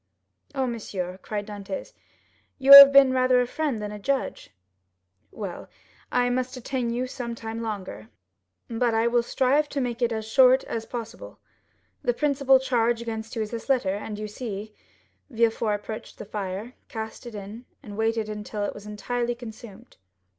"Oh, monsieur," cried Dantès, "you have been rather a friend than a judge." 0105m "Well, I must detain you some time longer, but I will strive to make it as short as possible. The principal charge against you is this letter, and you see——" Villefort approached the fire, cast it in, and waited until it was entirely consumed.